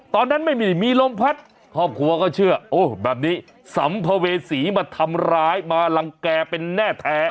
ตอนนั้นไม่มีมีลมพัดครอบครัวก็เชื่อโอ้แบบนี้สัมภเวษีมาทำร้ายมารังแก่เป็นแน่แท้